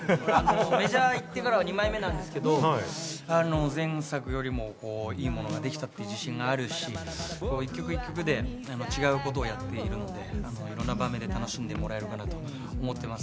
メジャー行ってからは２枚目なんですけど、前作よりもいいものができたという自信があるし、一曲一曲で違うことをやっているので、楽しんでもらえるかなと思っています。